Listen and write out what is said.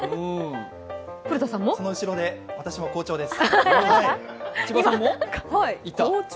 その後ろで私も好調です。